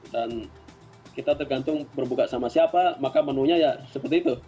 dan kita tergantung berbuka sama siapa maka menunya ya seperti itu